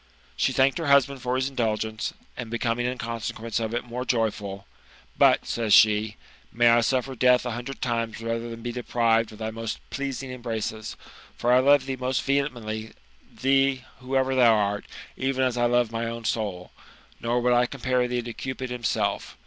She thanked her husband for his tndulgenee, and becoming in consequence of it more joyful ;^ But," says she, '* may I suffer death a hundred times rather than be depi^Ted of thy most pleasing embraces; for I love thee most vehemently, thee, whoever thou art, even as I love my own soul, nor would I compare thee to Cupid himself.